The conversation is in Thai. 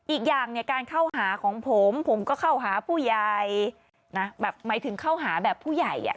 อีกอย่างเนี่ยการเข้าหาของผมผมก็เข้าหาผู้ใหญ่นะแบบหมายถึงเข้าหาแบบผู้ใหญ่อ่ะ